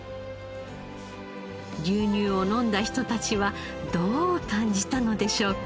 牛乳を飲んだ人たちはどう感じたのでしょうか？